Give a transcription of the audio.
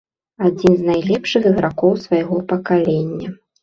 Адзін з найлепшых ігракоў свайго пакалення.